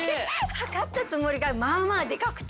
測ったつもりがまあまあでかくて。